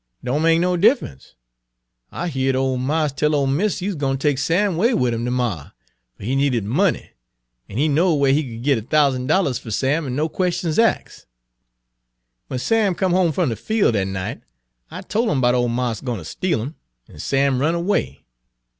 '" 'Don' make no diff'ence. I heerd ole marse tell ole miss he wuz gwine take yo' Sam 'way wid 'im ter morrow, fer he needed money, an' he knowed whar he could git a t'ousan' dollars fer Sam an' no questions axed.' "W'en Sam come home f'm de fiel' dat night, I tole him 'bout ole marse gwine Page 13 steal 'im, an' Sam run erway.